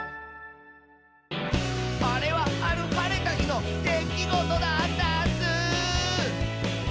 「あれはあるはれたひのできごとだったッスー」